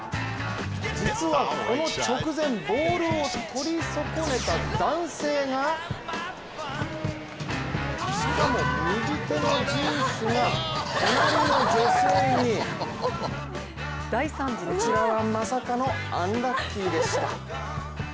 実はこの直前、ボールを取り損ねた男性がしかも右手のジュースが隣の女性にこちらはまさかのアンラッキーでした。